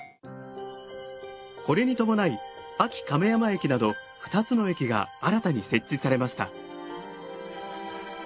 これに伴いあき亀山駅など２つの駅が新たに設置されました。